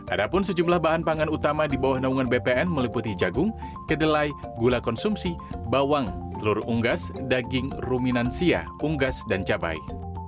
ada pun sejumlah bahan pangan utama di bawah naungan bpn meliputi jagung kedelai gula konsumsi bawang telur unggas daging ruminansia unggas dan cabai